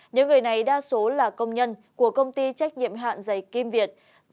những người này đa số là công nhân của công ty trách nhiệm hạn dày kim việt